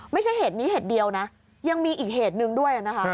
ไม่ใช่เหตุนี้เหตุเดียวนะยังมีอีกเหตุหนึ่งด้วยนะคะ